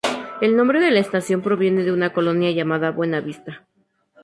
El nombre de la estación proviene de una colonia llamada Buenavista.